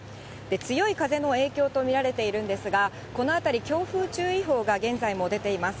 強い風の影響と見られているんですが、この辺り、強風注意報が現在も出ています。